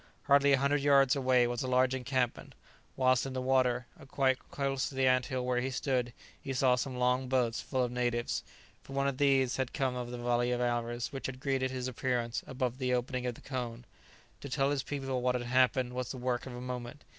Hardly a hundred yards away was a large encampment; whilst, in the water, quite close to the ant hill where he stood, he saw some long boats full of natives. From one of these had come the volley of arrows which had greeted his appearance above the opening of the cone. To tell his people what had happened was the work of a moment.